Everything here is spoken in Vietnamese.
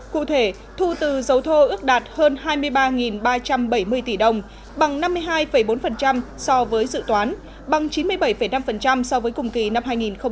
cụ thể thu từ dấu thô ước đạt hơn hai mươi ba ba trăm bảy mươi tỷ đồng bằng năm mươi hai bốn so với dự toán bằng chín mươi bảy năm so với cùng kỳ năm hai nghìn một mươi tám